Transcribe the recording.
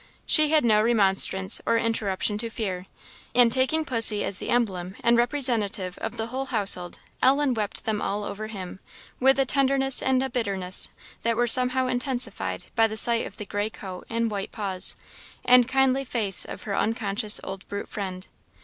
She had no remonstrance or interruption to fear: and taking pussy as the emblem and representative of the whole household, Ellen wept them all over him; with a tenderness and a bitterness that were somehow intensified by the sight of the gray coat and white paws, and kindly face of her unconscious old brute friend.